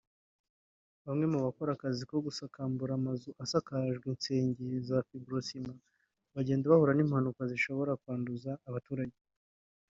Bamwe mu bakora akazi ko gusakambura amazu asakajwe ibisenge bya Fibrociment bagenda bahura n’impanuka zishobora kwanduza abaturage